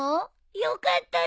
よかったね。